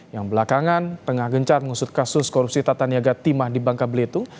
yang belakangan tengah gencar mengusut kasus korupsi tata niaga timah di bangka belitung